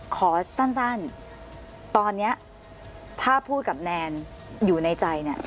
ขอสั้นตอนนี้ถ้าพูดกับแนนอยู่ในใจเนี่ย